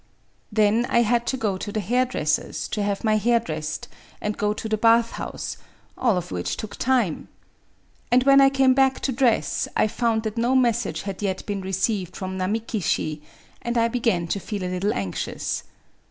Then I had to go to the hair dresser's to have my hair Digitized by Googk 94 A WOMAN'S DIARY dressed, and to go to the bath house — all of which took time. And when I came back to dress, I found that no message had yet been received from Namiki Shi; and I began to feel a little anxious.